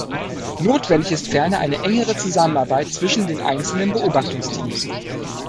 Notwendig ist ferner eine engere Zusammenarbeit zwischen den einzelnen Beobachtungsteams.